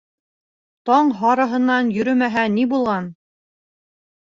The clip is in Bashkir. Таң һарыһынан йөрөмәһә ни булған...